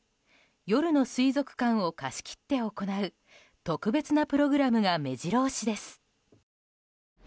夜の水族館を貸し切って行う特別なプログラムが目白押しです。